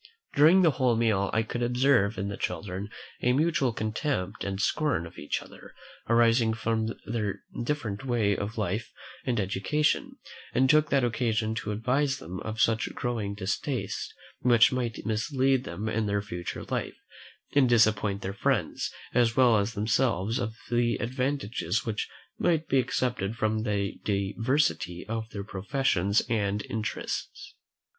During the whole meal, I could observe in the children a mutual contempt and scorn of each other, arising from their different way of life and education, and took that occasion to advertise them of such growing distastes, which might mislead them in their future life, and disappoint their friends, as well as themselves, of the advantages which might be expected from the diversity of their professions and interests.